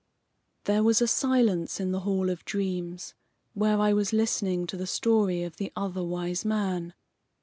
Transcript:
III There was a silence in the Hall of Dreams, where I was listening to the story of the Other Wise Man.